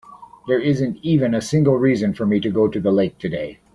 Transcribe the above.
There isn't even a single reason for me to go to the lake today.